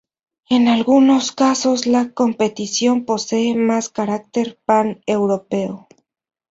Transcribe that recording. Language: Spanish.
En algunos casos, la competición posee más carácter "pan-europeo".